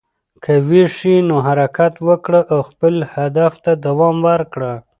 که ویښ یې، نو حرکت وکړه او خپلې هدف ته دوام ورکړه.